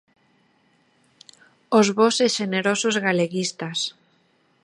Os bos e xenerosos galeguistas.